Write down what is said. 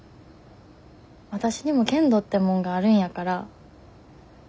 わたしにも限度ってもんがあるんやから。